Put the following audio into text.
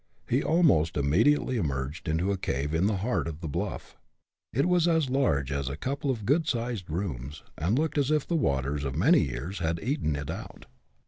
He almost immediately emerged into a cave in the heart of the bluff. It was as large as a couple of good sized rooms, and looked as if the waters of many years had eaten it out.